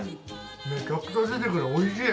めちゃくちゃ出てくるおいしい。